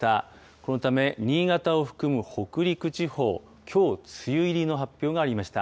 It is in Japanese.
このため新潟を含む北陸地方、きょう梅雨入りの発表がありました。